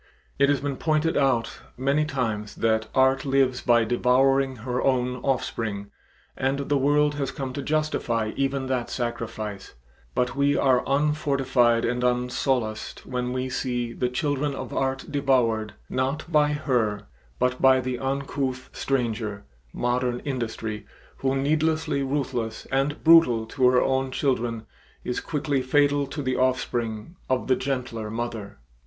It has been pointed out many times that Art lives by devouring her own offspring and the world has come to justify even that sacrifice, but we are unfortified and unsolaced when we see the children of Art devoured, not by her, but by the uncouth stranger, Modern Industry, who, needlessly ruthless and brutal to her own children, is quickly fatal to the offspring of the gentler mother.